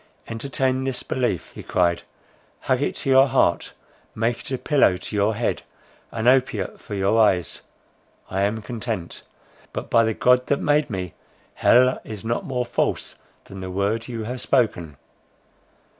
"Entertain this belief," he cried, "hug it to your heart—make it a pillow to your head, an opiate for your eyes —I am content. But, by the God that made me, hell is not more false than the word you have spoken!"